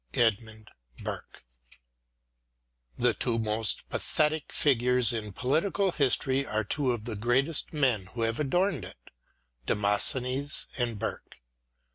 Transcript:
EDMUND BURKE THE two most pathetic figures in political history are two of the greatest men who have adorned it, Demosthenes and Burke.